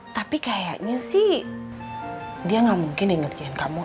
tapi kayaknya sih dia gak mungkin yang ngerjain kamu